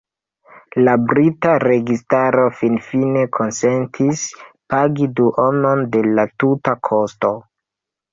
La brita registaro finfine konsentis pagi duonon de la tuta kosto.